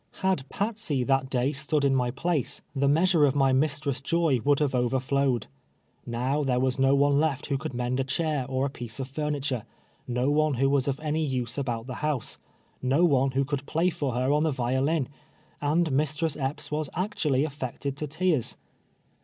Had Patsey that day stood in my place, the measure THE FAREWELL. 307 of my mistress' joy would have overflowed. IN'ow there was no one left who could mend a chair or a piece of furniture — no one who was of any use about the house — no one mIio could play for her on the vio lin — and Mistress Epps was actually afiected to tears.